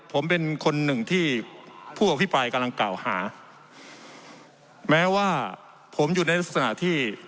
ผมเป็นคนหนึ่งที่ผู้อภิปรายกำลังกล่าวหาแม้ว่าผมอยู่ในลักษณะที่